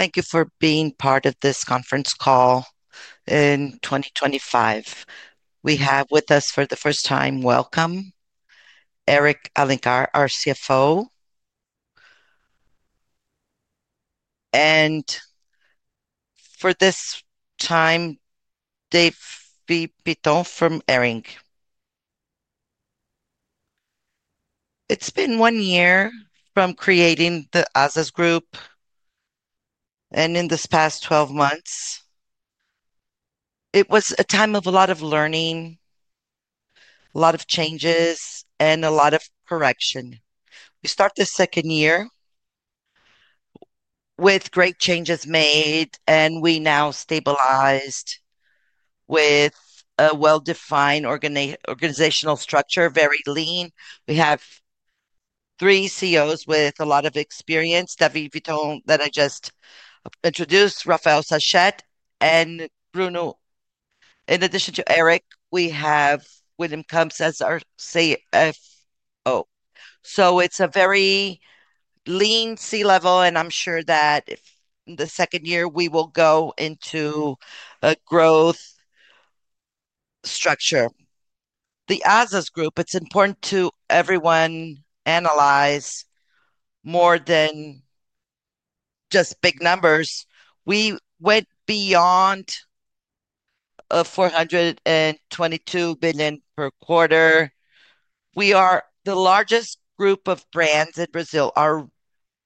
Thank you for being part of this conference call in 2025. We have with us for the first time, welcome, Eric Alencar, our CFO. And for this time, David Viton from Hering. It's been one year from creating the Azzas Group, and in this past 12 months, it was a time of a lot of learning, a lot of changes, and a lot of correction. We start the second year with great changes made, and we now stabilized with a well-defined organizational structure, very lean. We have three CEOs with a lot of experience: David Viton, that I just introduced, Rafael Sachete, and Bruno. In addition to Eric, we have William Cummins, as our CFO. So it's a very lean C-level, and I'm sure that in the second year we will go into a growth structure. The Azzas Group, it's important to everyone analyze more than just big numbers. We went beyond 422 billion per quarter. We are the largest group of brands in Brazil. Our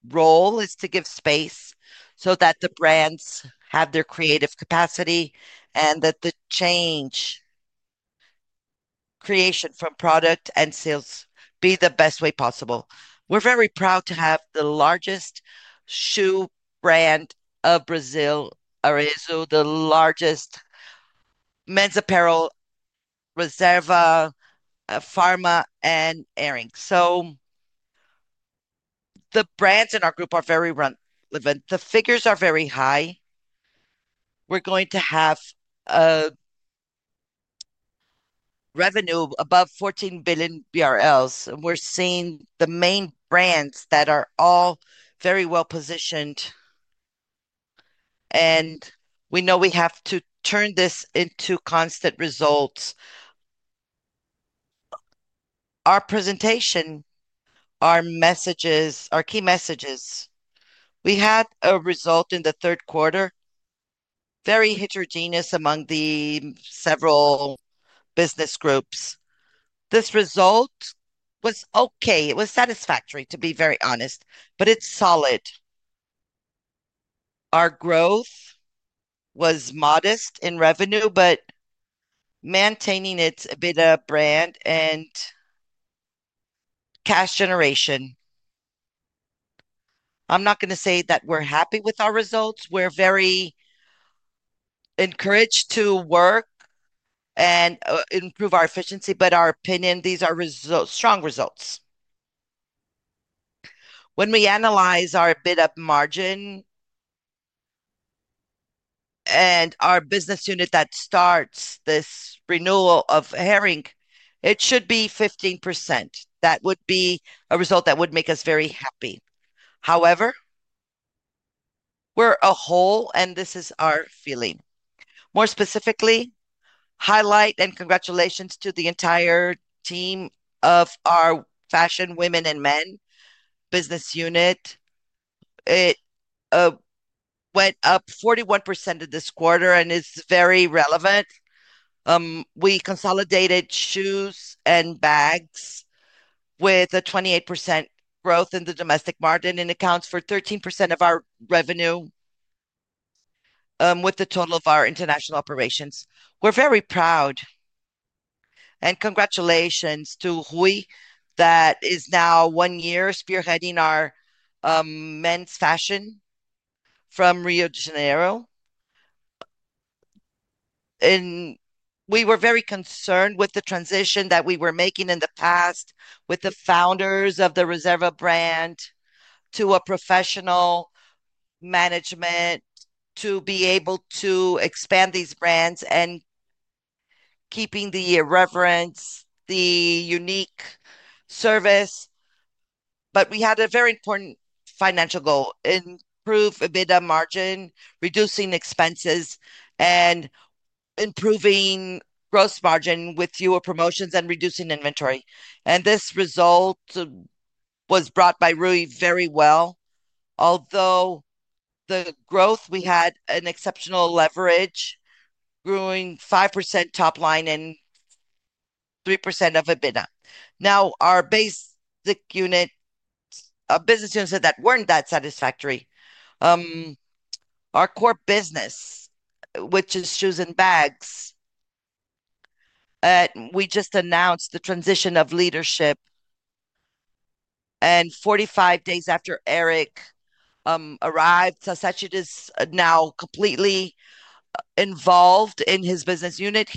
role is to give space so that the brands have their creative capacity and that the change, creation from product and sales, be the best way possible. We're very proud to have the largest shoe brand of Brazil, Arezzo, the largest men's apparel, Reserva, Farm, and Hering. So the brands in our group are very relevant. The figures are very high. We're going to have revenue above 14 billion BRL, and we're seeing the main brands that are all very well positioned, and we know we have to turn this into constant results. Our presentation, our messages, our key messages. We had a result in the third quarter, very heterogeneous among the several business groups. This result was okay. It was satisfactory, to be very honest, but it's solid. Our growth was modest in revenue, but maintaining its Beta brand and cash generation. I'm not going to say that we're happy with our results. We're very encouraged to work and improve our efficiency, but our opinion, these are strong results. When we analyze our EBITDA margin and our business unit that starts this renewal of Hering, it should be 15%. That would be a result that would make us very happy. However, we're a whole, and this is our feeling. More specifically, highlight and congratulations to the entire team of our fashion, women, and men business unit. It went up 41% this quarter and is very relevant. We consolidated shoes and bags with a 28% growth in the domestic margin and accounts for 13% of our revenue with the total of our international operations. We're very proud. Congratulations to Ruy that is now one year spearheading our men's fashion from Rio de Janeiro. We were very concerned with the transition that we were making in the past with the founders of the Reserva brand to a professional management to be able to expand these brands and keeping the irreverence, the unique service. We had a very important financial goal: improve EBITDA margin, reducing expenses, and improving gross margin with fewer promotions and reducing inventory. This result was brought by Ruy very well. Although the growth, we had an exceptional leverage, growing 5% top line and 3% of EBITDA. Now, our business units that were not that satisfactory. Our core business, which is shoes and bags, we just announced the transition of leadership. Forty-five days after Eric arrived, Sachete is now completely involved in his business unit.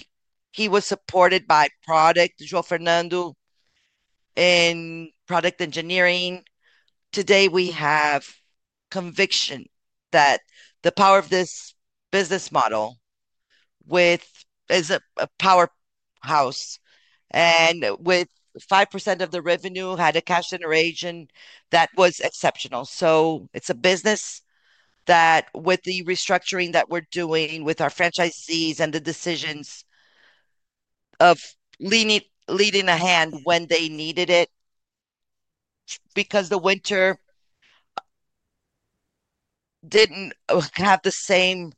He was supported by product, João Fernando in product engineering. Today, we have conviction that the power of this business model is a powerhouse. With 5% of the revenue, had a cash generation that was exceptional. It is a business that, with the restructuring that we're doing with our franchisees and the decisions of leading a hand when they needed it, because the winter did not have the same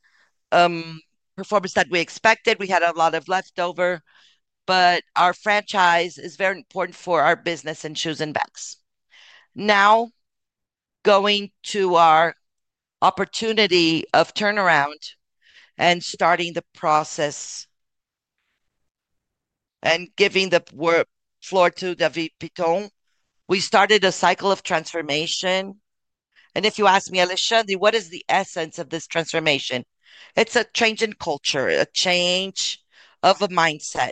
performance that we expected. We had a lot of leftover, but our franchise is very important for our business and shoes and bags. Now, going to our opportunity of turnaround and starting the process and giving the floor to David Viton, we started a cycle of transformation. If you ask me, Alexandre, what is the essence of this transformation? It is a change in culture, a change of a mindset.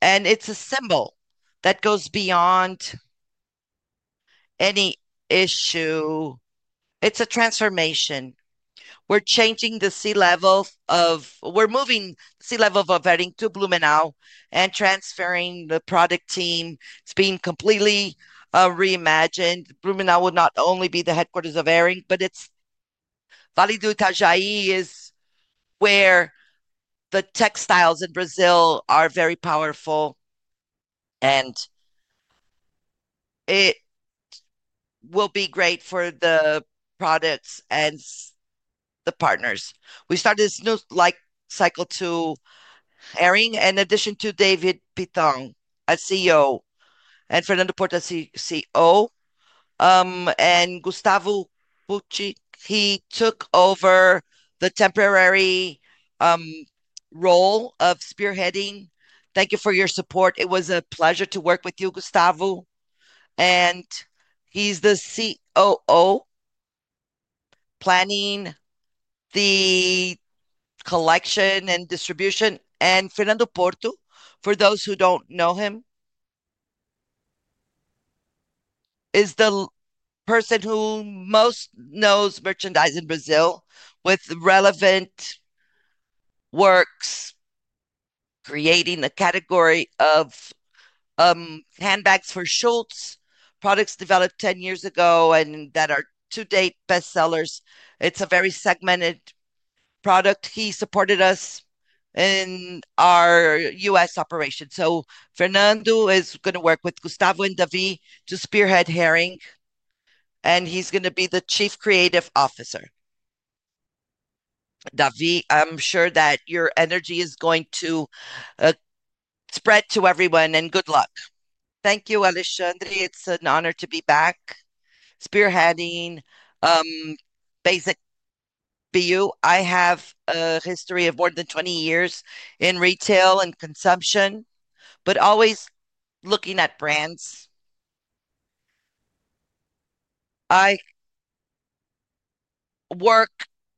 It is a symbol that goes beyond any issue. It's a transformation. We're changing the C-level of, we're moving C-level of Hering to Blumenau and transferring the product team. It's being completely reimagined. Blumenau will not only be the headquarters of Hering, but its Vale do Itajaí is where the textiles in Brazil are very powerful, and it will be great for the products and the partners. We started this new cycle to Hering in addition to David Viton, a CEO, and Fernando Porto, CEO. And Gustavo Buchi, he took over the temporary role of spearheading. Thank you for your support. It was a pleasure to work with you, Gustavo. And he's the COO, planning the collection and distribution. And Fernando Porto, for those who don't know him, is the person who most knows merchandise in Brazil with relevant works, creating a category of handbags for Schutz, products developed 10 years ago and that are to date bestsellers. It's a very segmented product. He supported us in our U.S. operation. Fernando is going to work with Gustavo and David to spearhead Hering, and he's going to be the Chief Creative Officer. David, I'm sure that your energy is going to spread to everyone, and good luck. Thank you, Alexandre. It's an honor to be back spearheading Basic BU. I have a history of more than 20 years in retail and consumption, but always looking at brands. I work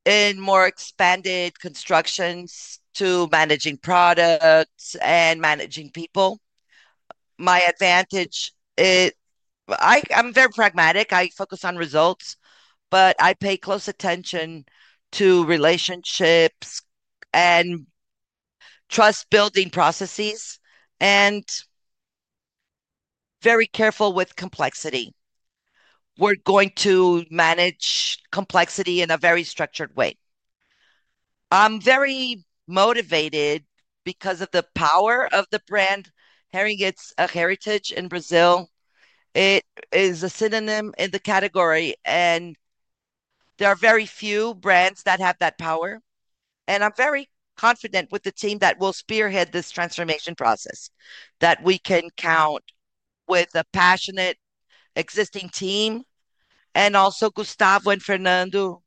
in more expanded constructions to managing products and managing people. My advantage is I'm very pragmatic. I focus on results, but I pay close attention to relationships and trust-building processes and very careful with complexity. We're going to manage complexity in a very structured way. I'm very motivated because of the power of the brand Hering. It's a heritage in Brazil. It is a synonym in the category, and there are very few brands that have that power. I am very confident with the team that will spearhead this transformation process, that we can count with a passionate existing team, and also Gustavo and Fernando,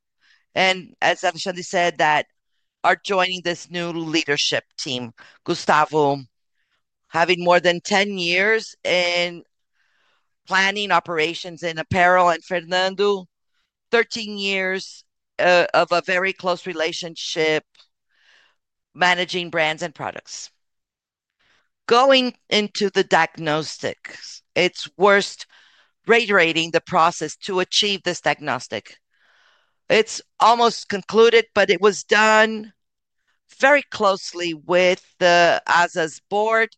and as Alexandre said, that are joining this new leadership team. Gustavo, having more than 10 years in planning operations in apparel, and Fernando, 13 years of a very close relationship managing brands and products. Going into the diagnostics, it is worth reiterating the process to achieve this diagnostic. It is almost concluded, but it was done very closely with the Azzas board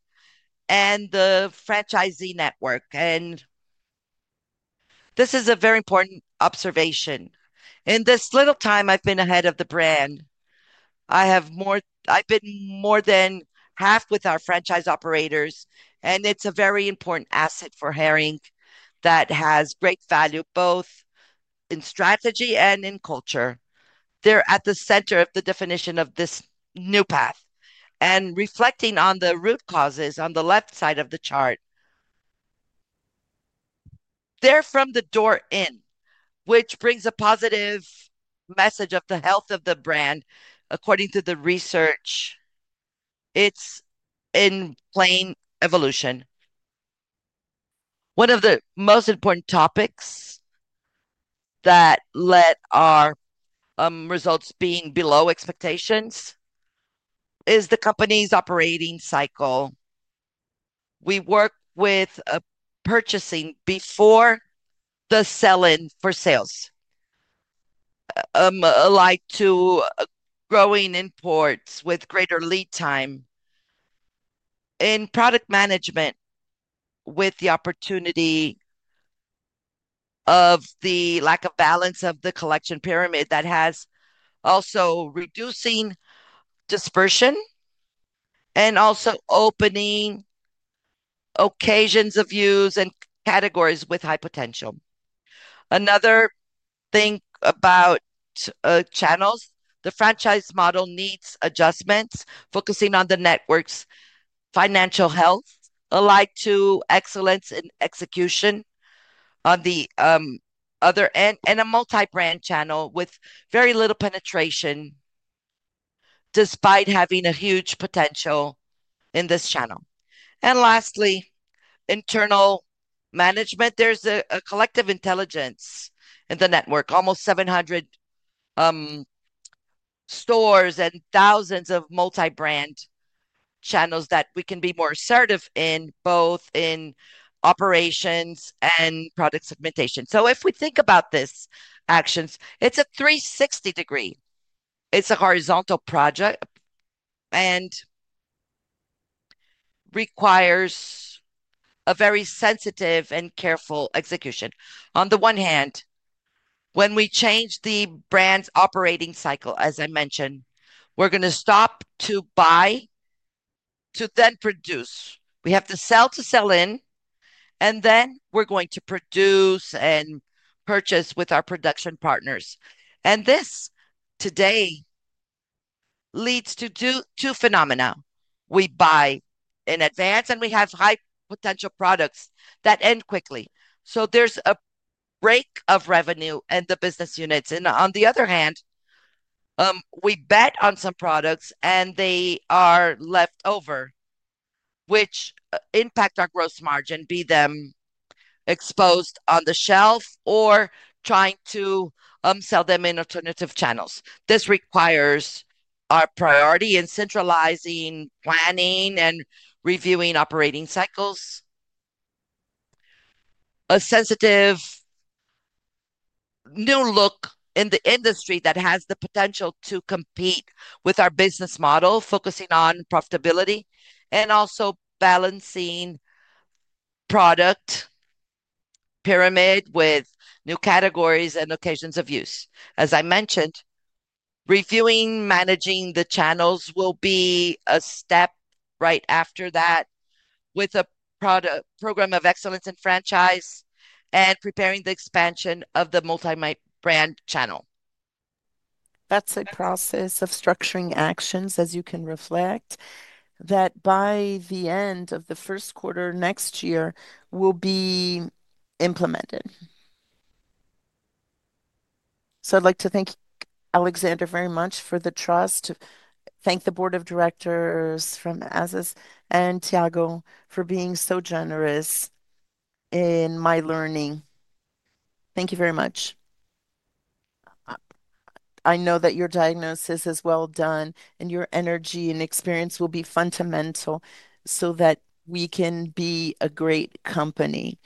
and the franchisee network. This is a very important observation. In this little time I've been ahead of the brand, I have more I've been more than half with our franchise operators, and it's a very important asset for Hering that has great value both in strategy and in culture. They're at the center of the definition of this new path and reflecting on the root causes on the left side of the chart. They're from the door in, which brings a positive message of the health of the brand, according to the research. It's in plain evolution. One of the most important topics that let our results be below expectations is the company's operating cycle. We work with purchasing before the sell-in for sales, like to growing imports with greater lead time in product management with the opportunity of the lack of balance of the collection pyramid that has also reducing dispersion and also opening occasions of use and categories with high potential. Another thing about channels, the franchise model needs adjustments, focusing on the network's financial health, alike to excellence and execution on the other end, and a multi-brand channel with very little penetration despite having a huge potential in this channel. Lastly, internal management. There's a collective intelligence in the network, almost 700 stores and thousands of multi-brand channels that we can be more assertive in both in operations and product segmentation. If we think about these actions, it's a 360 degree. It's a horizontal project and requires a very sensitive and careful execution. On the one hand, when we change the brand's operating cycle, as I mentioned, we're going to stop to buy to then produce. We have to sell to sell in, and then we're going to produce and purchase with our production partners. This today leads to two phenomena. We buy in advance, and we have high potential products that end quickly. There is a break of revenue in the business units. On the other hand, we bet on some products, and they are left over, which impact our gross margin, be them exposed on the shelf or trying to sell them in alternative channels. This requires our priority in centralizing planning and reviewing operating cycles. A sensitive new look in the industry that has the potential to compete with our business model, focusing on profitability and also balancing product pyramid with new categories and locations of use. As I mentioned, reviewing managing the channels will be a step right after that with a program of excellence in franchise and preparing the expansion of the multi-brand channel. That is a process of structuring actions, as you can reflect, that by the end of the first quarter next year will be implemented. I would like to thank Alexandre very much for the trust, thank the board of directors from Azzas and Thiago for being so generous in my learning. Thank you very much. I know that your diagnosis is well done, and your energy and experience will be fundamental so that we can be a great company.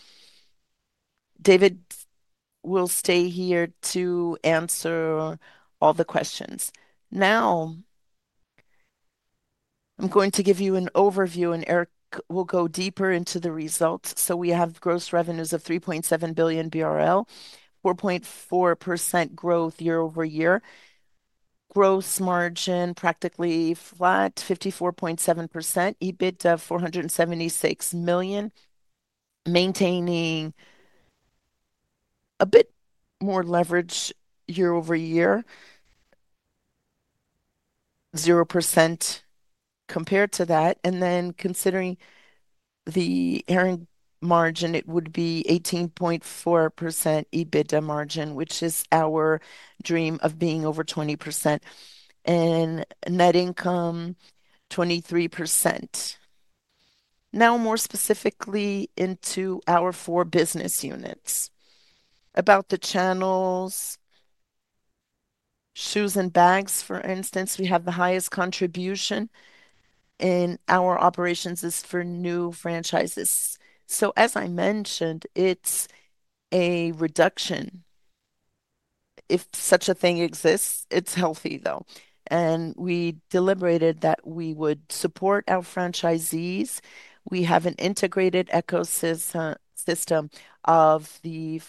David will stay here to answer all the questions. Now, I am going to give you an overview, and Eric will go deeper into the results. We have gross revenues of 3.7 billion BRL, 4.4% growth year-over-year. Gross margin practically flat, 54.7%, EBITDA BRL 476 million, maintaining a bit more leverage year-over-year, 0% compared to that. Considering the Hering margin, it would be 18.4% EBITDA margin, which is our dream of being over 20%, and net income 23%. Now, more specifically into our four business units. About the channels, shoes and bags, for instance, we have the highest contribution in our operations is for new franchises. As I mentioned, it is a reduction if such a thing exists. It is healthy, though. We deliberated that we would support our franchisees. We have an integrated ecosystem of the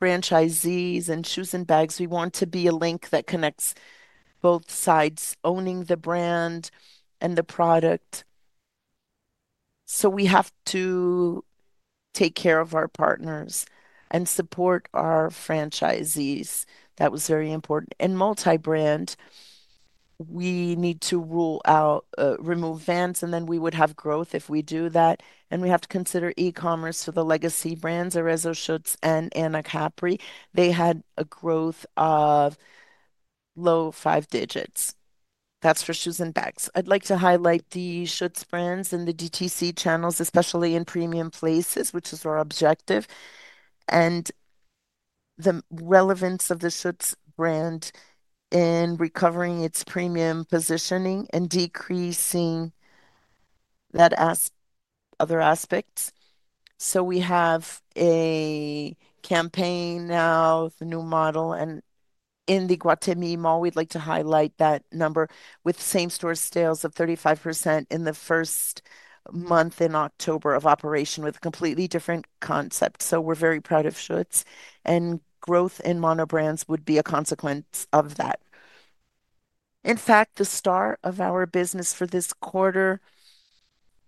franchisees and shoes and bags. We want to be a link that connects both sides, owning the brand and the product. We have to take care of our partners and support our franchisees. That was very important. In multi-brand, we need to rule out, remove Vans, and then we would have growth if we do that. We have to consider e-commerce for the legacy brands, Arezzo, Schutz, and Anacapri. They had a growth of low five digits. That is for shoes and bags. I would like to highlight the Schutz brands and the DTC channels, especially in premium places, which is our objective, and the relevance of the Schutz brand in recovering its premium positioning and decreasing that other aspects. We have a campaign now, the new model, and in Guatemala, we would like to highlight that number with same-store sales of 35% in the first month in October of operation with a completely different concept. We are very proud of Schutz, and growth in monobrands would be a consequence of that. In fact, the star of our business for this quarter,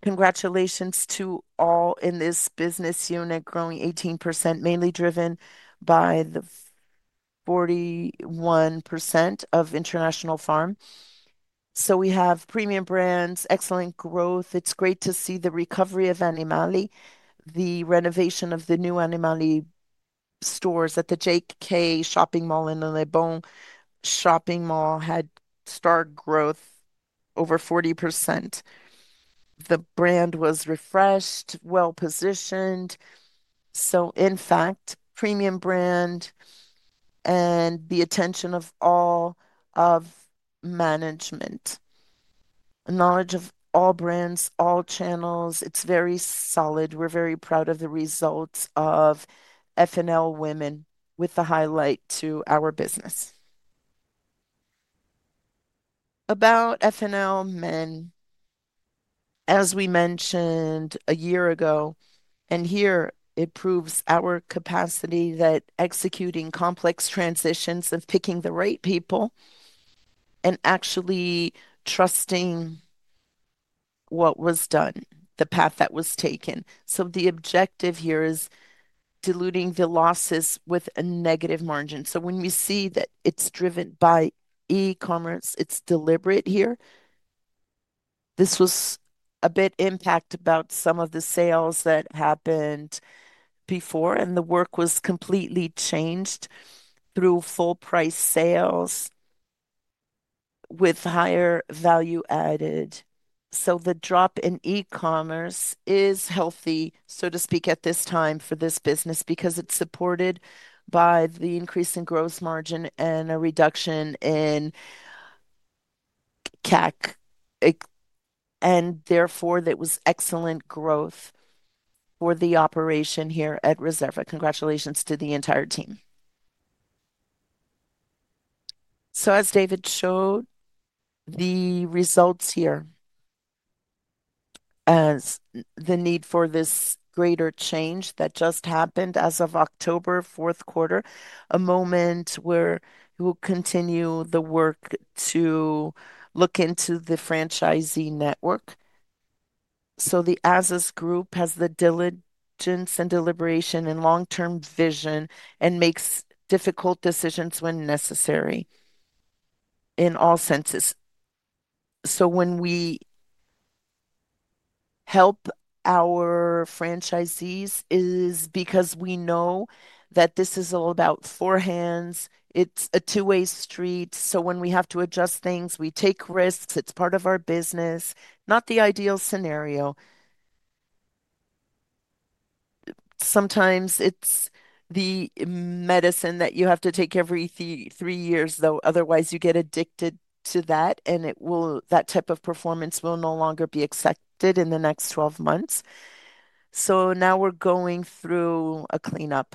congratulations to all in this business unit, growing 18%, mainly driven by the 41% of International Farm. We have premium brands, excellent growth. It is great to see the recovery of Animale. The renovation of the new Animale stores at the JK Iguatemi Shopping Mall and the Leblon Shopping Mall had star growth over 40%. The brand was refreshed, well-positioned. In fact, premium brand and the attention of all of management, knowledge of all brands, all channels, it is very solid. We are very proud of the results of F&L Women with the highlight to our business. About F&L Men, as we mentioned a year ago, and here it proves our capacity that executing complex transitions of picking the right people and actually trusting what was done, the path that was taken. The objective here is diluting the losses with a negative margin. When we see that it is driven by e-commerce, it is deliberate here. This was a big impact about some of the sales that happened before, and the work was completely changed through full-price sales with higher value added. The drop in e-commerce is healthy, so to speak, at this time for this business because it is supported by the increase in gross margin and a reduction in CAC, and therefore there was excellent growth for the operation here at Reserva. Congratulations to the entire team. As David showed, the results here as the need for this greater change that just happened as of October fourth quarter, a moment where we will continue the work to look into the franchisee network. The Azzas Group has the diligence and deliberation and long-term vision and makes difficult decisions when necessary in all senses. When we help our franchisees, it is because we know that this is all about forehands. It is a two-way street. When we have to adjust things, we take risks. It is part of our business, not the ideal scenario. Sometimes it is the medicine that you have to take every three years, though otherwise you get addicted to that, and that type of performance will no longer be accepted in the next 12 months. Now we are going through a cleanup.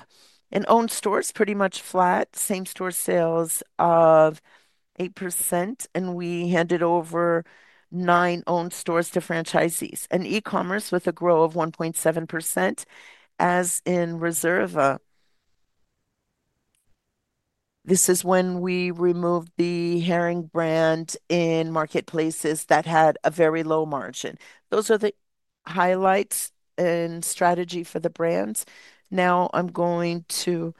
Owned stores pretty much flat, same-store sales of 8%, and we handed over nine owned stores to franchisees and e-commerce with a grow of 1.7% as in Reserva. This is when we removed the Hering brand in marketplaces that had a very low margin. Those are the highlights and strategy for the brands. Now I'm going to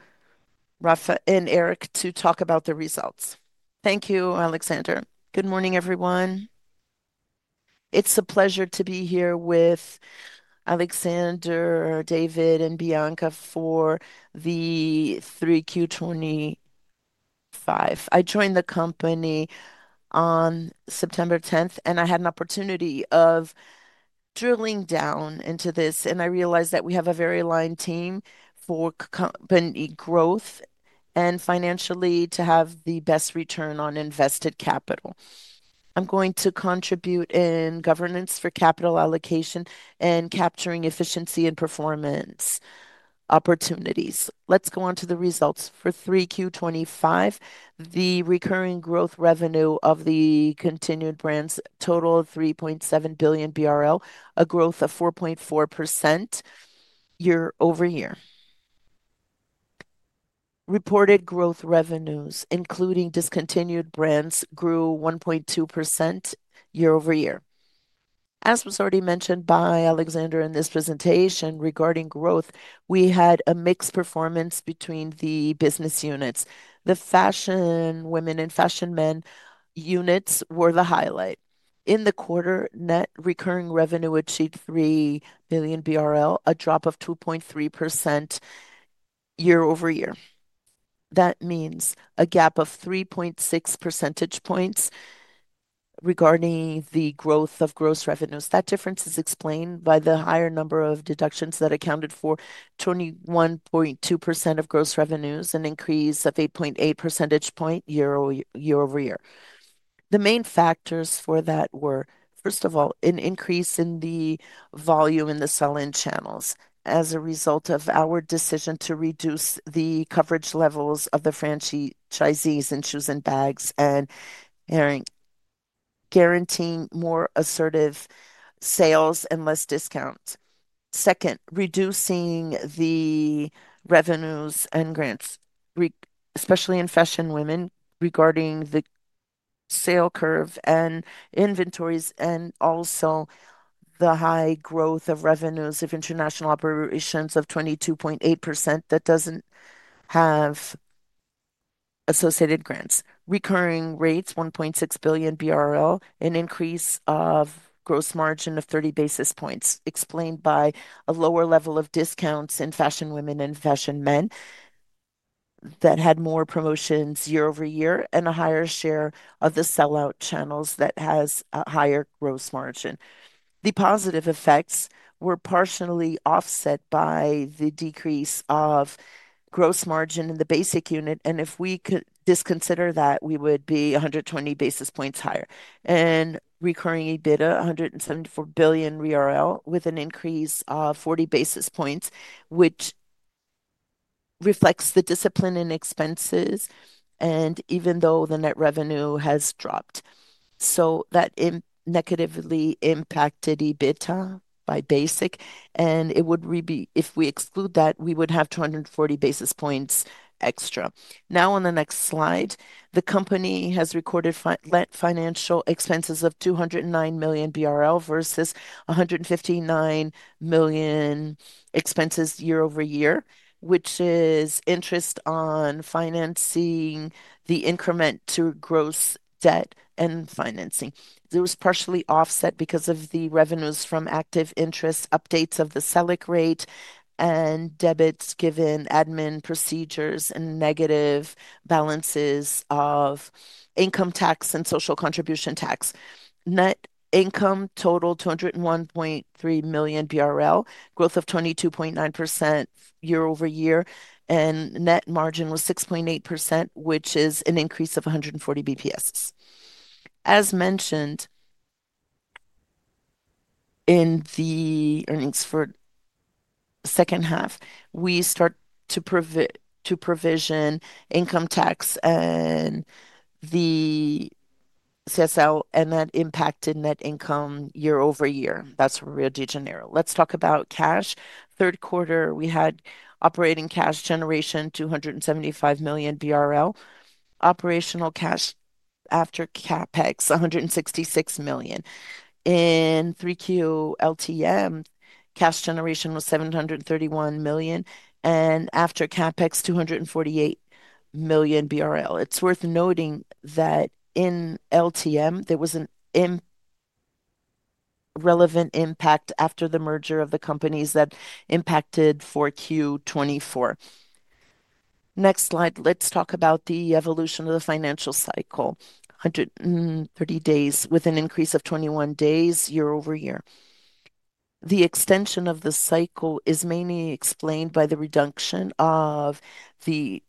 Rafa and Eric to talk about the results. Thank you, Alexandre. Good morning, everyone. It's a pleasure to be here with Alexandre, David, and Bianca for the 3Q 2025. I joined the company on September 10, and I had an opportunity of drilling down into this, and I realized that we have a very aligned team for company growth and financially to have the best return on invested capital. I'm going to contribute in governance for capital allocation and capturing efficiency and performance opportunities. Let's go on to the results for 3Q 2025. The recurring growth revenue of the continued brands, total of 3.7 billion BRL, a growth of 4.4% year-over-year. Reported growth revenues, including discontinued brands, grew 1.2% year-over-year. As was already mentioned by Alexandre in this presentation regarding growth, we had a mixed performance between the business units. The fashion women and fashion men units were the highlight. In the quarter, net recurring revenue achieved 3 billion BRL, a drop of 2.3% year-over-year. That means a gap of 3.6 percentage points regarding the growth of gross revenues. That difference is explained by the higher number of deductions that accounted for 21.2% of gross revenues, an increase of 8.8 percentage points year-over-year. The main factors for that were, first of all, an increase in the volume in the sell-in channels as a result of our decision to reduce the coverage levels of the franchisees in shoes and bags and guaranteeing more assertive sales and less discounts. Second, reducing the revenues and grants, especially in fashion women, regarding the sale curve and inventories, and also the high growth of revenues of international operations of 22.8% that does not have associated grants. Recurring rates, 1.6 billion BRL, an increase of gross margin of 30 basis points explained by a lower level of discounts in fashion women and fashion men that had more promotions year-over-year and a higher share of the sellout channels that has a higher gross margin. The positive effects were partially offset by the decrease of gross margin in the basic unit, and if we could disconsider that, we would be 120 basis points higher. Recurring EBITDA, 174 million, with an increase of 40 basis points, which reflects the discipline in expenses, and even though the net revenue has dropped. That negatively impacted EBITDA by basic, and if we exclude that, we would have 240 basis points extra. Now, on the next slide, the company has recorded financial expenses of 209 million BRL versus 159 million expenses year-over-year, which is interest on financing the increment to gross debt and financing. It was partially offset because of the revenues from active interest updates of the SELIC rate and debits given admin procedures and negative balances of income tax and social contribution tax. Net income totaled 201.3 million BRL, growth of 22.9% year-over-year, and net margin was 6.8%, which is an increase of 140 basis points. As mentioned in the earnings for second half, we start to provision income tax and the CSL, and that impacted net income year-over-year. That is where we are generating. Let's talk about cash. Third quarter, we had operating cash generation, 275 million BRL. Operational cash after CapEx, 166 million. In 3Q LTM, cash generation was 731 million, and after CapEx, 248 million BRL. It's worth noting that in LTM, there was an irrelevant impact after the merger of the companies that impacted fourth quarter 2024. Next slide. Let's talk about the evolution of the financial cycle, 130 days with an increase of 21 days year-over-year. The extension of the cycle is mainly explained by the reduction of the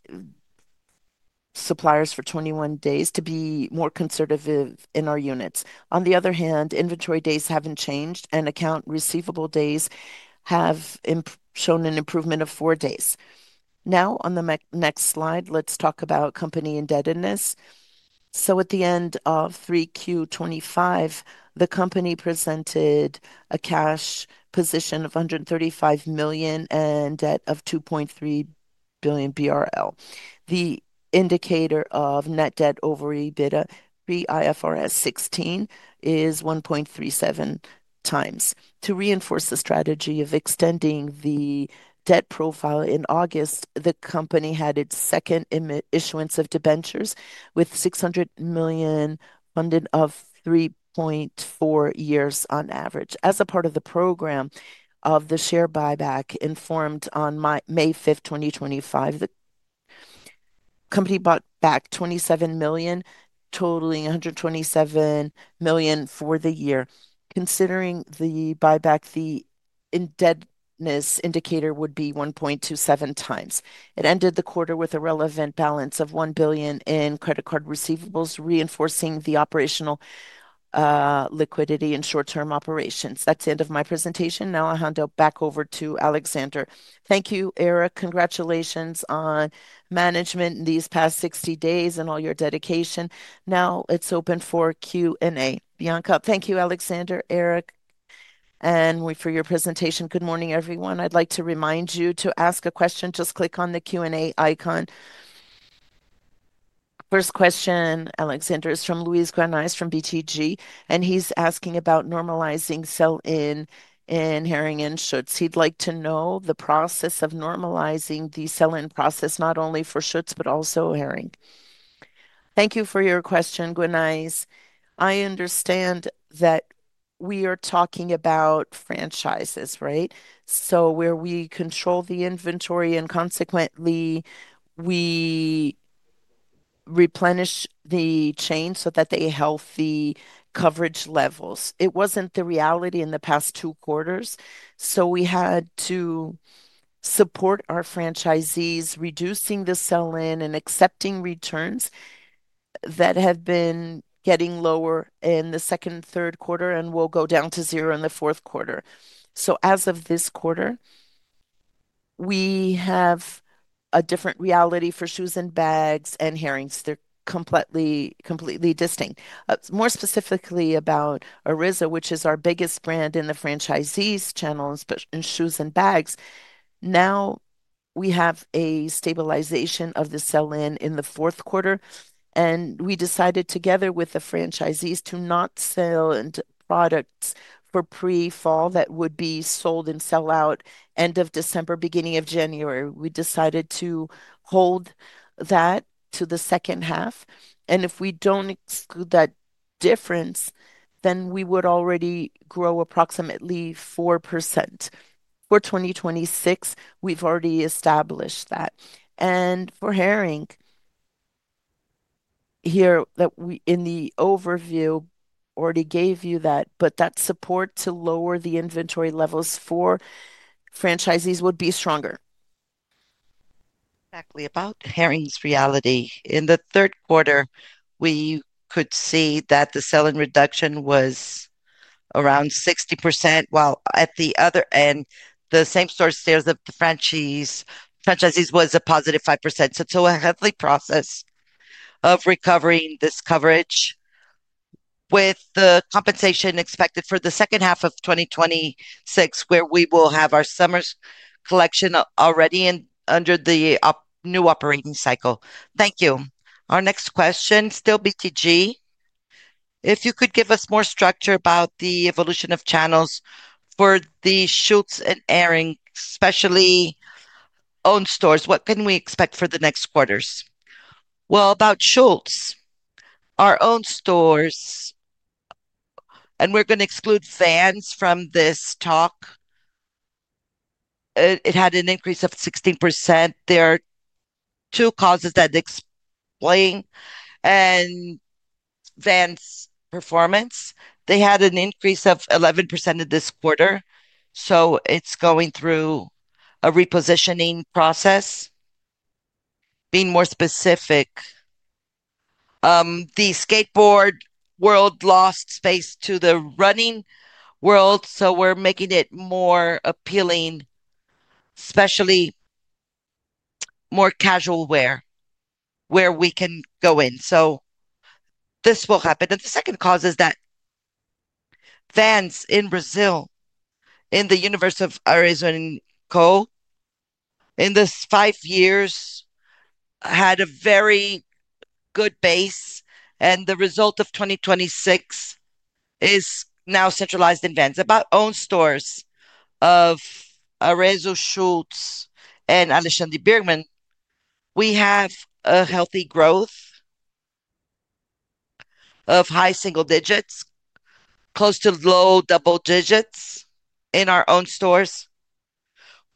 suppliers for 21 days to be more conservative in our units. On the other hand, inventory days haven't changed, and account receivable days have shown an improvement of four days. Now, on the next slide, let's talk about company indebtedness. At the end of 3Q 2025, the company presented a cash position of 135 million and debt of 2.3 billion BRL. The indicator of net debt over EBITDA, pre-IFRS 16, is 1.37x. To reinforce the strategy of extending the debt profile in August, the company had its second issuance of debentures with 600 million funded of 3.4 years on average. As a part of the program of the share buyback informed on May 5th, 2025, the company bought back 27 million, totaling 127 million for the year. Considering the buyback, the indebtedness indicator would be 1.27 times. It ended the quarter with a relevant balance of 1 billion in credit card receivables, reinforcing the operational liquidity and short-term operations. That's the end of my presentation. Now I'll hand it back over to Alexandre. Thank you, Eric. Congratulations on management in these past 60 days and all your dedication. Now it's open for Q&A. Bianca. thank you, Alexandre, Eric, and for your presentation. Good morning, everyone. I'd like to remind you to ask a question. Just click on the Q&A icon. First question, Alexandre, is from Luiz Guanais from BTG, and he's asking about normalizing sell-in in Hering and Schutz. He'd like to know the process of normalizing the sell-in process, not only for Schutz but also Hering. Thank you for your question, Guanais. I understand that we are talking about franchises, right? Where we control the inventory and consequently we replenish the chain so that they have healthy coverage levels. It wasn't the reality in the past two quarters, so we had to support our franchisees reducing the sell-in and accepting returns that have been getting lower in the second and third quarter and will go down to zero in the fourth quarter. As of this quarter, we have a different reality for shoes and bags and Hering. They're completely distinct. More specifically about Arezzo, which is our biggest brand in the franchisees channels in shoes and bags. Now we have a stabilization of the sell-in in the fourth quarter, and we decided together with the franchisees to not sell into products for pre-fall that would be sold and sell out end of December, beginning of January. We decided to hold that to the second half, and if we do not exclude that difference, then we would already grow approximately 4%. For 2026, we have already established that. For Hering, here in the overview, I already gave you that, but that support to lower the inventory levels for franchisees would be stronger. Exactly about Hering's reality. In the third quarter, we could see that the sell-in reduction was around 60%, while at the other end, the same-store sales of the franchisees was a positive 5%. It is a healthy process of recovering this coverage with the compensation expected for the second half of 2026, where we will have our summer collection already under the new operating cycle. Thank you. Our next question, still BTG. If you could give us more structure about the evolution of channels for the Schutz and Hering, especially owned stores, what can we expect for the next quarters? About Schutz, our owned stores, and we are going to exclude Vans from this talk. It had an increase of 16%. There are two causes that explain Vans' performance. They had an increase of 11% this quarter, so it is going through a repositioning process. Being more specific, the skateboard world lost space to the running world, so we are making it more appealing, especially more casual wear where we can go in. This will happen. The second cause is that Vans in Brazil, in the universe of Arezzo&Co, in these five years, had a very good base, and the result of 2026 is now centralized in Vans. About owned stores of Arezzo, Schutz, and Alexandre Birman, we have a healthy growth of high single digits, close to low double digits in our owned stores.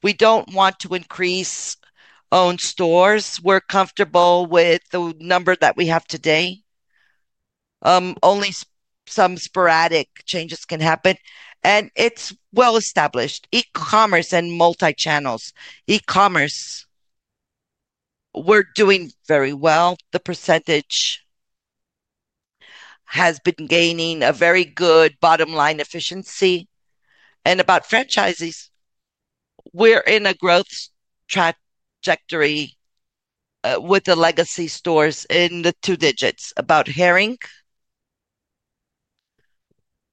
We do not want to increase owned stores. We are comfortable with the number that we have today. Only some sporadic changes can happen, and it is well-established. E-commerce and multi-channels. E-commerce, we are doing very well. The percentage has been gaining a very good bottom line efficiency. About franchisees, we are in a growth trajectory with the legacy stores in the two digits. About Hering,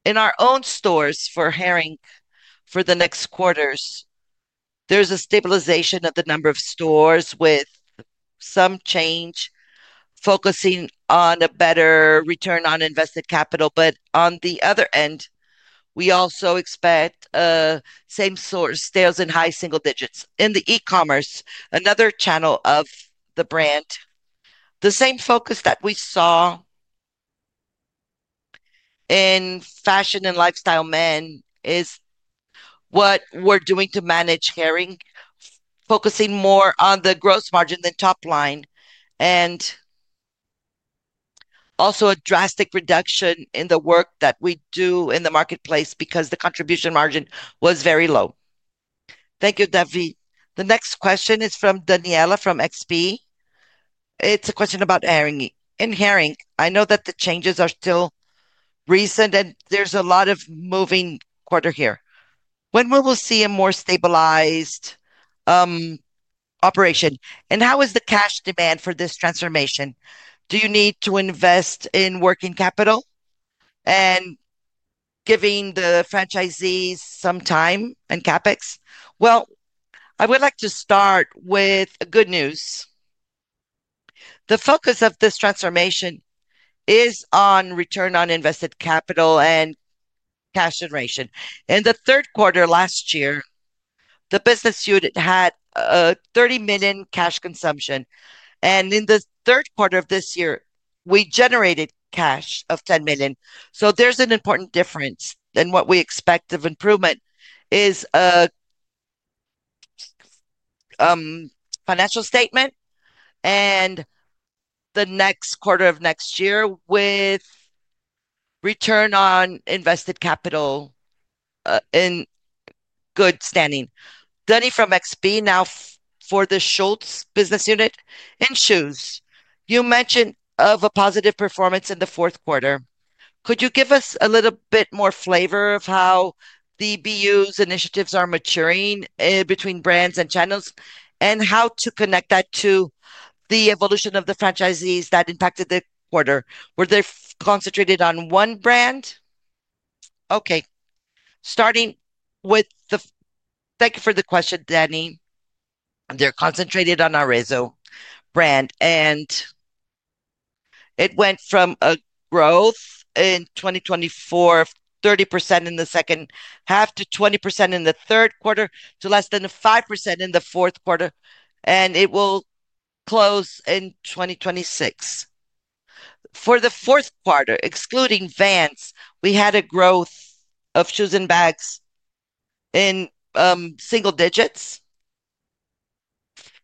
in our owned stores for Hering for the next quarters, there's a stabilization of the number of stores with some change, focusing on a better return on invested capital. On the other end, we also expect same-store sales in high single digits. In the e-commerce, another channel of the brand, the same focus that we saw in fashion and lifestyle men is what we're doing to manage Hering, focusing more on the gross margin than top line, and also a drastic reduction in the work that we do in the marketplace because the contribution margin was very low. Thank you, David. The next question is from Daniela from XP. It's a question about Hering. In Hering, I know that the changes are still recent, and there's a lot of moving quarter here. When will we see a more stabilized operation? How is the cash demand for this transformation? Do you need to invest in working capital and giving the franchisees some time and CapEx? I would like to start with good news. The focus of this transformation is on return on invested capital and cash generation. In the third quarter last year, the business unit had a 30 million cash consumption, and in the third quarter of this year, we generated cash of 10 million. There is an important difference, and what we expect of improvement is a financial statement and the next quarter of next year with return on invested capital in good standing. Daniela from XP now for the Schutz business unit in shoes. You mentioned a positive performance in the fourth quarter. Could you give us a little bit more flavor of how the BUs' initiatives are maturing between brands and channels and how to connect that to the evolution of the franchisees that impacted the quarter? Were they concentrated on one brand? Okay. Starting with the—thank you for the question, Daniela. They're concentrated on Arezzo brand, and it went from a growth in 2024 of 30% in the second half to 20% in the third quarter to less than 5% in the fourth quarter, and it will close in 2026. For the fourth quarter, excluding Vans, we had a growth of shoes and bags in single digits,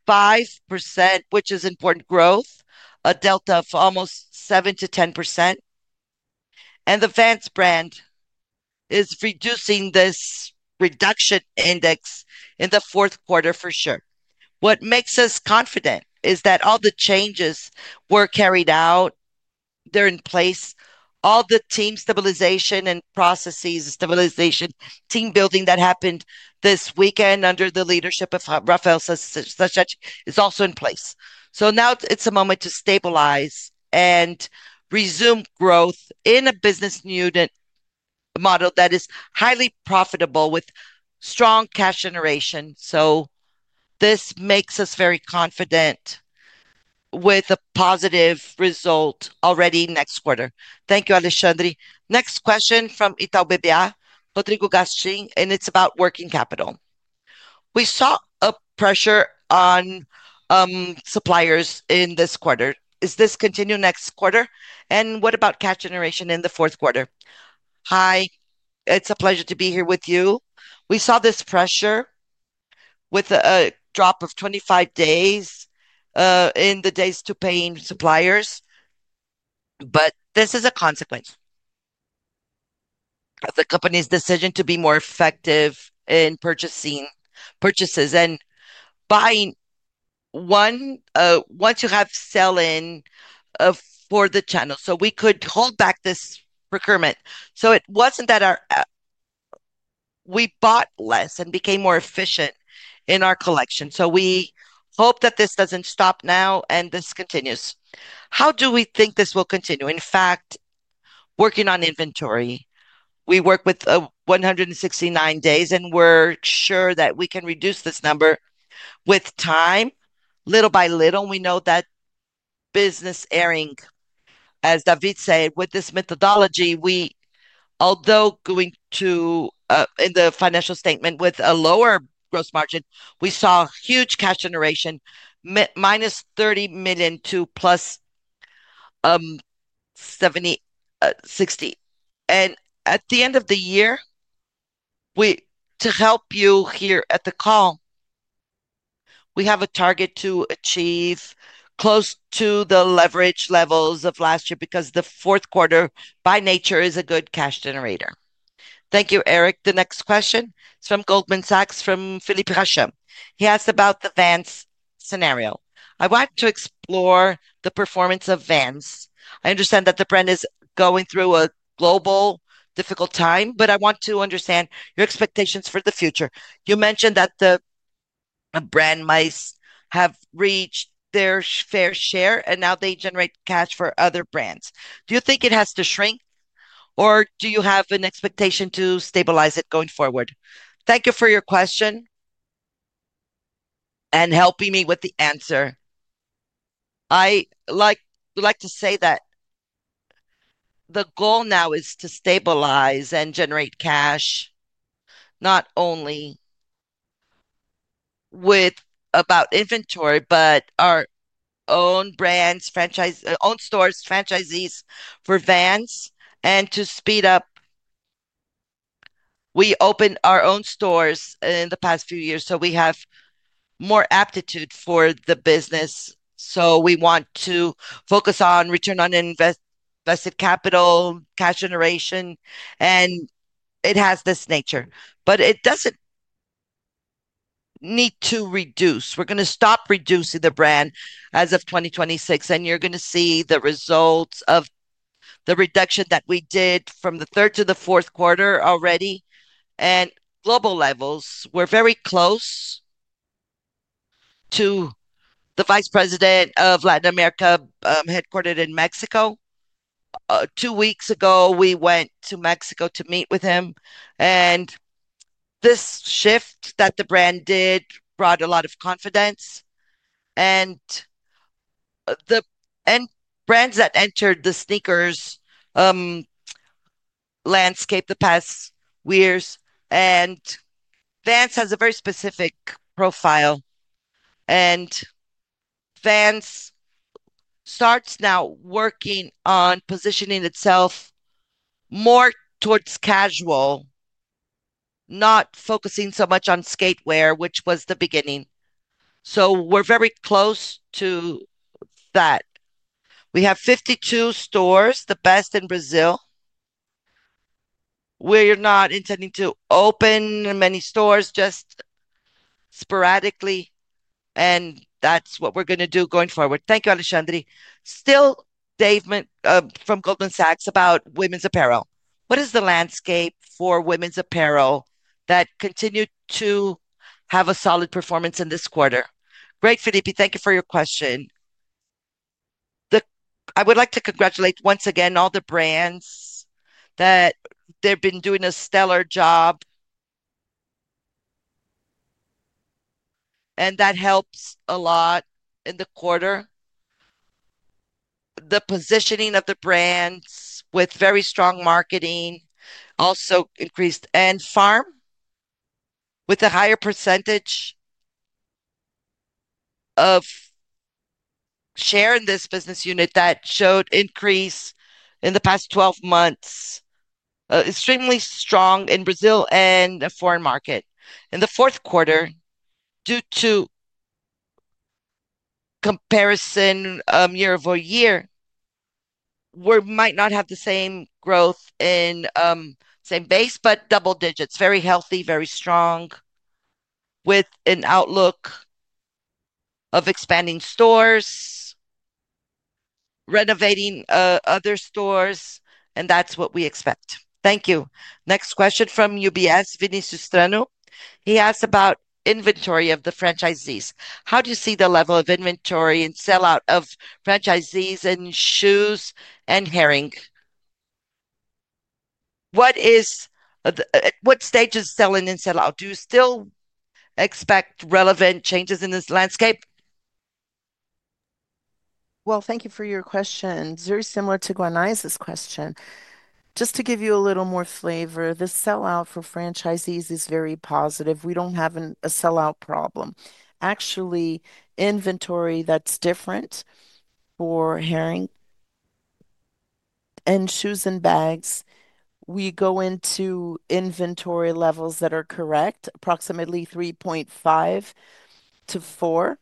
5%, which is important growth, a delta of almost 7%-10%. And the Vans brand is reducing this reduction index in the fourth quarter for sure. What makes us confident is that all the changes were carried out. They're in place. All the team stabilization and processes, stabilization, team building that happened this weekend under the leadership of Rafael Sachete is also in place. Now it is a moment to stabilize and resume growth in a business unit model that is highly profitable with strong cash generation. This makes us very confident with a positive result already next quarter. Thank you, Alexandre. Next question from Itaú BBA, Rodrigo Gastim, and it is about working capital. We saw a pressure on suppliers in this quarter. Is this continued next quarter? What about cash generation in the fourth quarter? Hi. It is a pleasure to be here with you. We saw this pressure with a drop of 25 days in the days to paying suppliers, but this is a consequence of the company's decision to be more effective in purchasing purchases and buying once you have sell-in for the channel. We could hold back this procurement. It was not that we bought less and became more efficient in our collection. We hope that this does not stop now and this continues. How do we think this will continue? In fact, working on inventory, we work with 169 days, and we are sure that we can reduce this number with time. Little by little, we know that business Hering, as David said, with this methodology, although going into the financial statement with a lower gross margin, we saw huge cash generation, minus 30 million to plus 60 million. At the end of the year, to help you here at the call, we have a target to achieve close to the leverage levels of last year because the fourth quarter, by nature, is a good cash generator. Thank you, Eric. The next question is from Goldman Sachs from Philippe Racha. He asked about the Vans scenario. I want to explore the performance of Vans. I understand that the brand is going through a global difficult time, but I want to understand your expectations for the future. You mentioned that the brand might have reached their fair share, and now they generate cash for other brands. Do you think it has to shrink, or do you have an expectation to stabilize it going forward? Thank you for your question and helping me with the answer. I like to say that the goal now is to stabilize and generate cash not only with inventory, but our own brands, own stores, franchisees for Vans, and to speed up. We opened our own stores in the past few years, so we have more aptitude for the business. We want to focus on return on invested capital, cash generation, and it has this nature, but it does not need to reduce. We are going to stop reducing the brand as of 2026, and you are going to see the results of the reduction that we did from the third to the fourth quarter already. At global levels, we are very close to the Vice President of Latin America headquartered in Mexico. Two weeks ago, we went to Mexico to meet with him, and this shift that the brand did brought a lot of confidence. Brands that entered the sneakers landscape the past years, and Vans has a very specific profile. Vans starts now working on positioning itself more towards casual, not focusing so much on skateware, which was the beginning. We are very close to that. We have 52 stores, the best in Brazil. We're not intending to open many stores, just sporadically, and that's what we're going to do going forward. Thank you, Alexandre. Still, David from Goldman Sachs about women's apparel. What is the landscape for women's apparel that continued to have a solid performance in this quarter? Great, Philippe. Thank you for your question. I would like to congratulate once again all the brands that they've been doing a stellar job, and that helps a lot in the quarter. The positioning of the brands with very strong marketing also increased, and Farm with a higher percentage of share in this business unit that showed increase in the past 12 months, extremely strong in Brazil and the foreign market. In the fourth quarter, due to comparison year-over-year, we might not have the same growth in same base, but double digits, very healthy, very strong with an outlook of expanding stores, renovating other stores, and that's what we expect. Thank you. Next question from UBS, Vinicius Strano. He asked about inventory of the franchisees. How do you see the level of inventory and sell-out of franchisees in shoes and Hering? What stage is sell-in and sell-out? Do you still expect relevant changes in this landscape? Thank you for your question. Very similar to Guanais' question. Just to give you a little more flavor, the sell-out for franchisees is very positive. We do not have a sell-out problem. Actually, inventory that is different for Hering and shoes and bags, we go into inventory levels that are correct, approximately 3.5-4.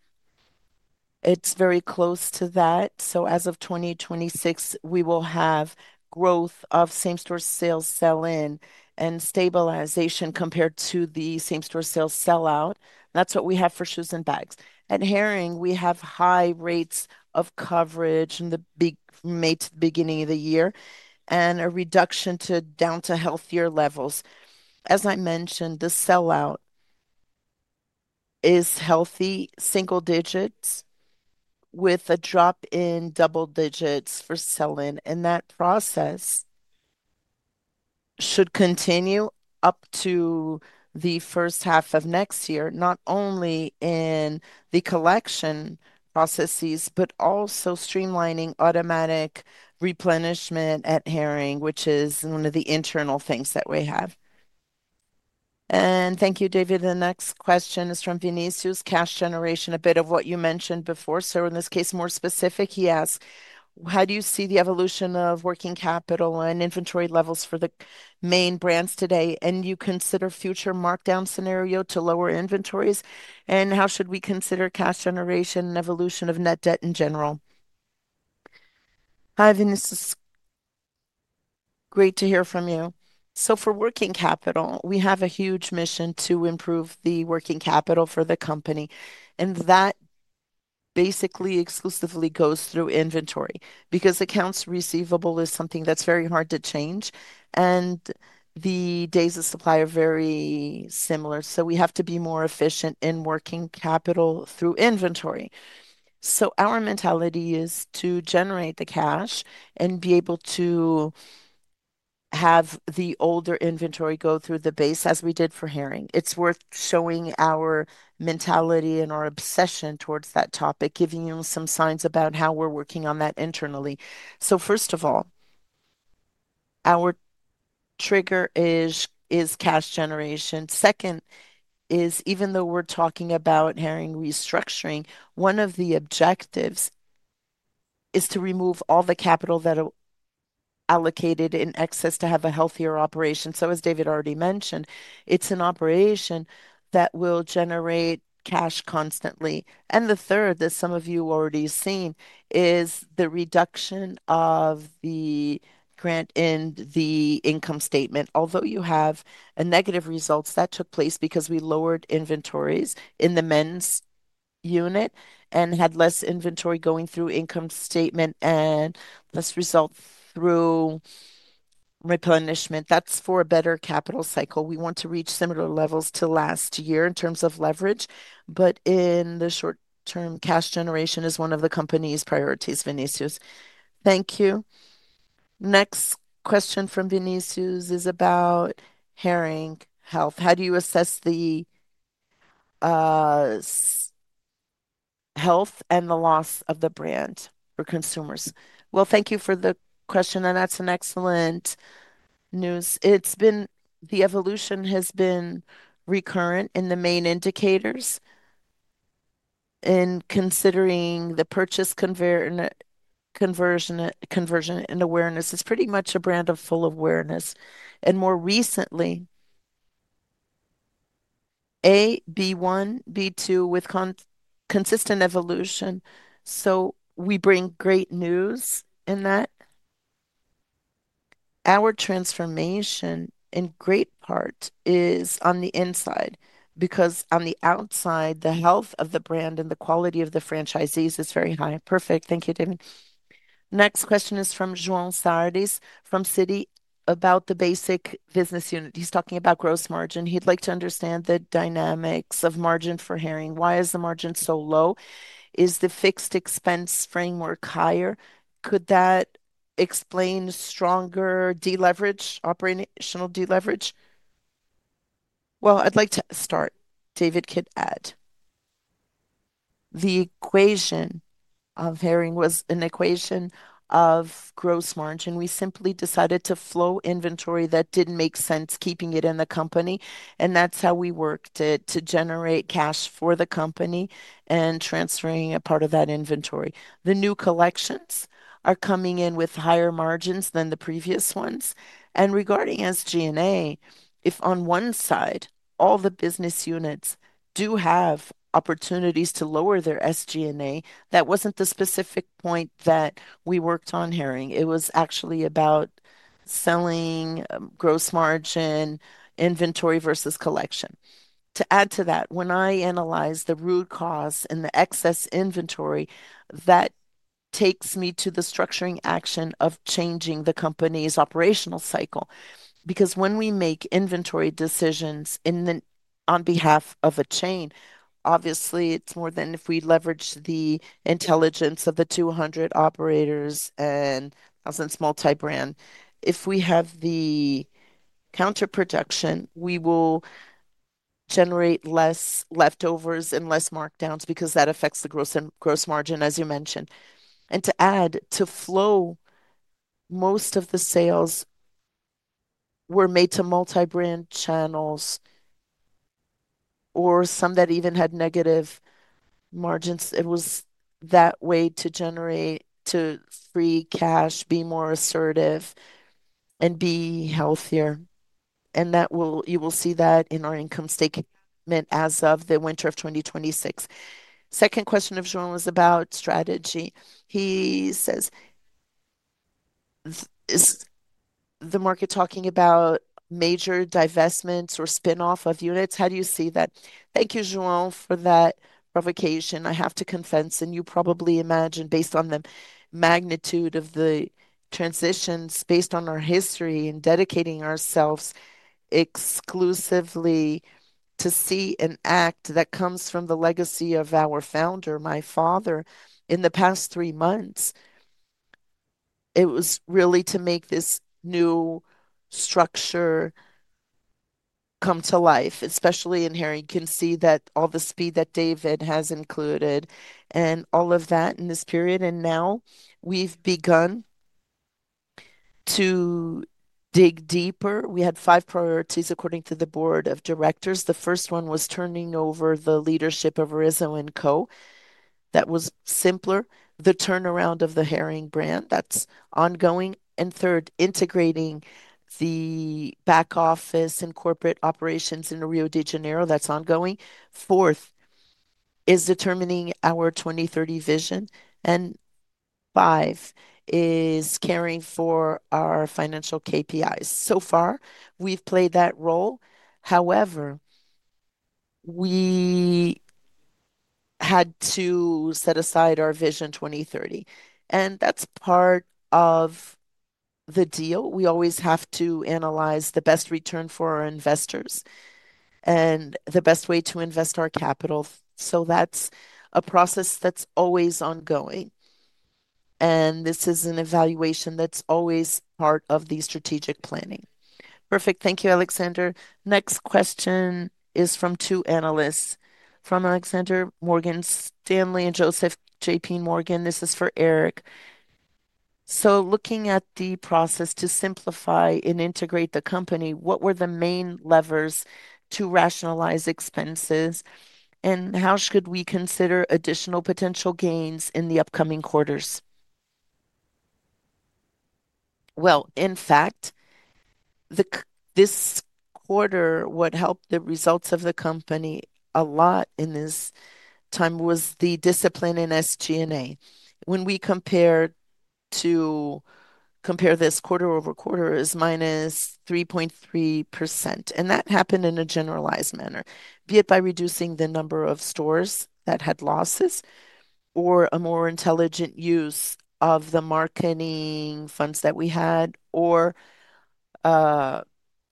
It is very close to that. As of 2026, we will have growth of same-store sales sell-in and stabilization compared to the same-store sales sell-out. That is what we have for shoes and bags. At Hering, we have high rates of coverage in the beginning of the year and a reduction down to healthier levels. As I mentioned, the sell-out is healthy, single digits, with a drop in double digits for sell-in. That process should continue up to the first half of next year, not only in the collection processes, but also streamlining automatic replenishment at Hering, which is one of the internal things that we have. Thank you, David. The next question is from Vinicius, cash generation, a bit of what you mentioned before. In this case, more specific, he asked, how do you see the evolution of working capital and inventory levels for the main brands today? Do you consider future markdown scenario to lower inventories? How should we consider cash generation and evolution of net debt in general? Hi, Vinicius. Great to hear from you. For working capital, we have a huge mission to improve the working capital for the company. That basically exclusively goes through inventory because accounts receivable is something that's very hard to change. The days of supply are very similar. We have to be more efficient in working capital through inventory. Our mentality is to generate the cash and be able to have the older inventory go through the base as we did for Hering. It's worth showing our mentality and our obsession towards that topic, giving you some signs about how we're working on that internally. First of all, our trigger is cash generation. Second is, even though we're talking about Hering restructuring, one of the objectives is to remove all the capital that are allocated in excess to have a healthier operation. As David already mentioned, it's an operation that will generate cash constantly. The third, as some of you already seen, is the reduction of the grant in the income statement. Although you have a negative result, that took place because we lowered inventories in the men's unit and had less inventory going through income statement and less result through replenishment. That is for a better capital cycle. We want to reach similar levels to last year in terms of leverage, but in the short term, cash generation is one of the company's priorities, Vinicius. Thank you. Next question from Vinicius is about Hering health. How do you assess the health and the loss of the brand for consumers? Thank you for the question, and that's excellent news. The evolution has been recurrent in the main indicators. Considering the purchase conversion and awareness, it's pretty much a brand of full awareness. More recently, A, B1, B2 with consistent evolution. We bring great news in that. Our transformation in great part is on the inside because on the outside, the health of the brand and the quality of the franchisees is very high. Perfect. Thank you, David. Next question is from João Sardes from Citi about the basic business unit. He's talking about gross margin. He'd like to understand the dynamics of margin for Hering. Why is the margin so low? Is the fixed expense framework higher? Could that explain stronger deleverage, operational deleverage? I'd like to start. David could add. The equation of Hering was an equation of gross margin. We simply decided to flow inventory that did not make sense, keeping it in the company. That is how we worked it to generate cash for the company and transferring a part of that inventory. The new collections are coming in with higher margins than the previous ones. Regarding SG&A, if on one side, all the business units do have opportunities to lower their SG&A, that was not the specific point that we worked on Hering. It was actually about selling, gross margin, inventory versus collection. To add to that, when I analyze the root cause and the excess inventory, that takes me to the structuring action of changing the company's operational cycle. Because when we make inventory decisions on behalf of a chain, obviously, it is more than if we leverage the intelligence of the 200 operators and thousand small type brand. If we have the counterproduction, we will generate less leftovers and less markdowns because that affects the gross margin, as you mentioned. To add, to flow, most of the sales were made to multi-brand channels or some that even had negative margins. It was that way to generate to free cash, be more assertive, and be healthier. You will see that in our income statement as of the winter of 2026. Second question of João was about strategy. He says, is the market talking about major divestments or spinoff of units? How do you see that? Thank you, João, for that provocation. I have to confess, and you probably imagine based on the magnitude of the transitions based on our history and dedicating ourselves exclusively to see an act that comes from the legacy of our founder, my father, in the past three months. It was really to make this new structure come to life, especially in Hering. You can see that all the speed that David has included and all of that in this period. Now we've begun to dig deeper. We had five priorities according to the board of directors. The first one was turning over the leadership of Arezzo&Co. That was simpler. The turnaround of the Hering brand, that's ongoing. Third, integrating the back office and corporate operations in Rio de Janeiro, that's ongoing. Fourth is determining our 2030 vision. Fifth is caring for our financial KPIs. So far, we've played that role. However, we had to set aside our vision 2030. That's part of the deal. We always have to analyze the best return for our investors and the best way to invest our capital. That's a process that's always ongoing. This is an evaluation that's always part of the strategic planning. Perfect. Thank you, Alexandre. Next question is from two analysts, from Alexandre at Morgan Stanley and Joseph at JPMorgan. This is for Eric. Looking at the process to simplify and integrate the company, what were the main levers to rationalize expenses? How should we consider additional potential gains in the upcoming quarters? In fact, this quarter what helped the results of the company a lot in this time was the discipline in SG&A. When we compare this quarter-over-quarter, it is minus 3.3%. That happened in a generalized manner, be it by reducing the number of stores that had losses, a more intelligent use of the marketing funds that we had, or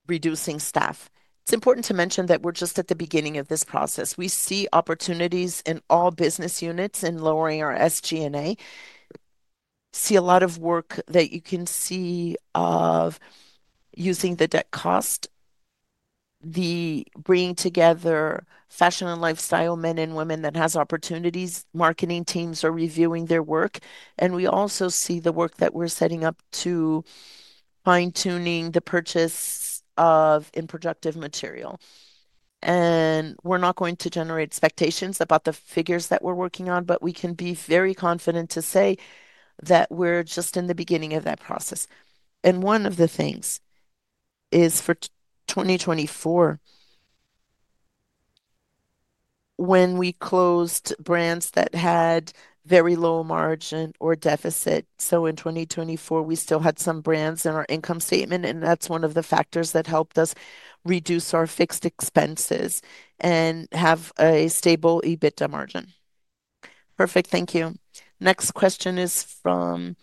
reducing staff. It's important to mention that we're just at the beginning of this process. We see opportunities in all business units in lowering our SG&A. See a lot of work that you can see of using the debt cost, the bringing together fashion and lifestyle men and women that has opportunities, marketing teams are reviewing their work. We also see the work that we're setting up to fine-tune the purchase of improductive material. We're not going to generate expectations about the figures that we're working on, but we can be very confident to say that we're just in the beginning of that process. One of the things is for 2024, when we closed brands that had very low margin or deficit. In 2024, we still had some brands in our income statement, and that's one of the factors that helped us reduce our fixed expenses and have a stable EBITDA margin. Perfect. Thank you. Next question is from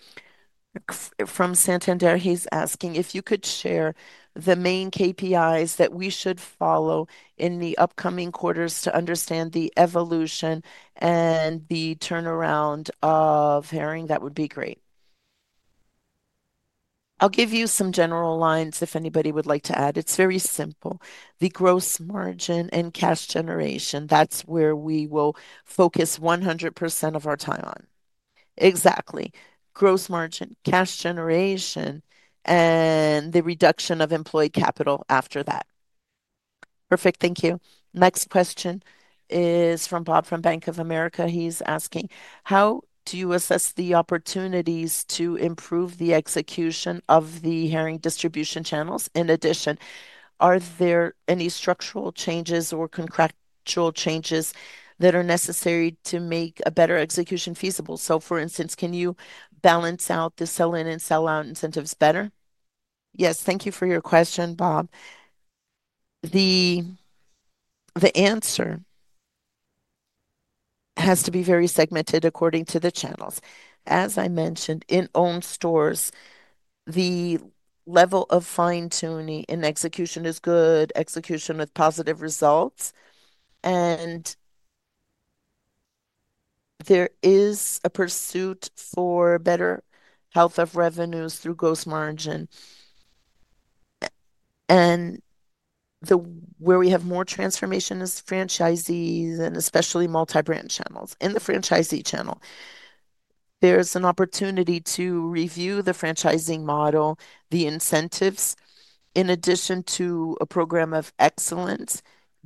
Santander. He's asking if you could share the main KPIs that we should follow in the upcoming quarters to understand the evolution and the turnaround of Hering. That would be great. I'll give you some general lines if anybody would like to add. It's very simple. The gross margin and cash generation, that's where we will focus 100% of our time on. Exactly. Gross margin, cash generation, and the reduction of employee capital after that. Perfect. Thank you. Next question is from Bob from Bank of America. He's asking, how do you assess the opportunities to improve the execution of the Hering distribution channels? In addition, are there any structural changes or contractual changes that are necessary to make a better execution feasible? For instance, can you balance out the sell-in and sell-out incentives better? Yes. Thank you for your question, Bob. The answer has to be very segmented according to the channels. As I mentioned, in own stores, the level of fine-tuning in execution is good, execution with positive results. There is a pursuit for better health of revenues through gross margin. Where we have more transformation is franchisees and especially multi-brand channels. In the franchisee channel, there's an opportunity to review the franchising model, the incentives, in addition to a program of excellence,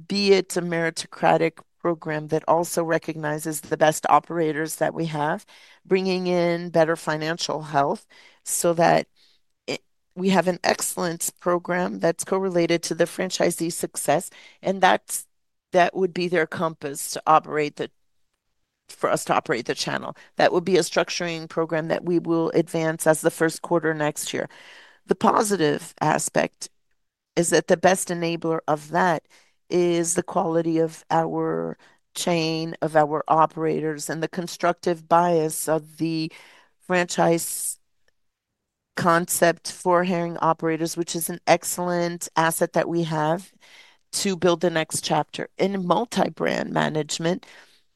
be it a meritocratic program that also recognizes the best operators that we have, bringing in better financial health so that we have an excellent program that's correlated to the franchisee success. That would be their compass for us to operate the channel. That would be a structuring program that we will advance as the first quarter next year. The positive aspect is that the best enabler of that is the quality of our chain of our operators and the constructive bias of the franchise concept for Hering operators, which is an excellent asset that we have to build the next chapter. In multi-brand management,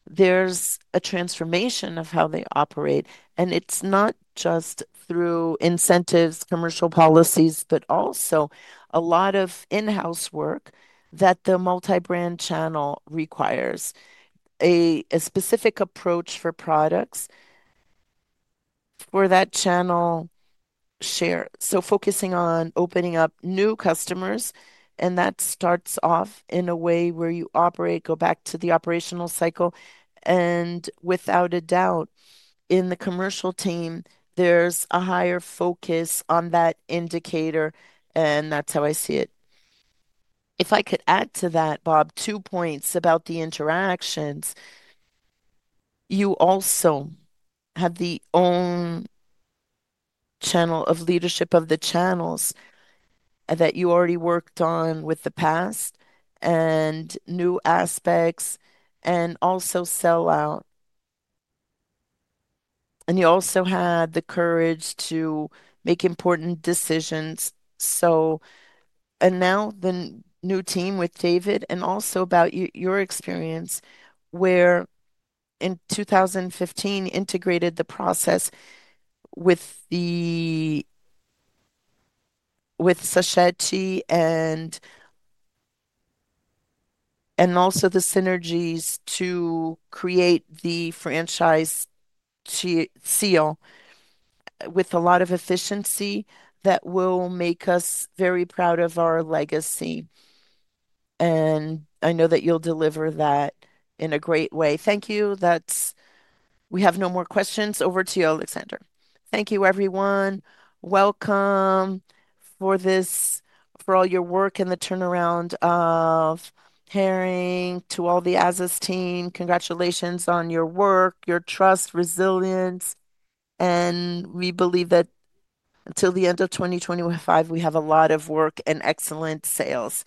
there is a transformation of how they operate. It is not just through incentives, commercial policies, but also a lot of in-house work that the multi-brand channel requires. A specific approach for products for that channel share. Focusing on opening up new customers. That starts off in a way where you operate, go back to the operational cycle. Without a doubt, in the commercial team, there is a higher focus on that indicator. That is how I see it. If I could add to that, Bob, two points about the interactions. You also have the own channel of leadership of the channels that you already worked on with the past and new aspects and also sell-out. You also had the courage to make important decisions. Now the new team with David and also about your experience where in 2015, integrated the process with Sachete and also the synergies to create the franchise seal with a lot of efficiency that will make us very proud of our legacy. I know that you'll deliver that in a great way. Thank you. We have no more questions. Over to you, Alexandre. Thank you, everyone. Welcome for all your work and the turnaround of Hering to all the Azzas team. Congratulations on your work, your trust, resilience. We believe that until the end of 2025, we have a lot of work and excellent sales.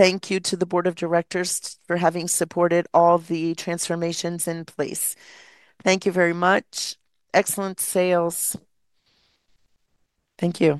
Thank you to the board of directors for having supported all the transformations in place. Thank you very much. Excellent sales. Thank you.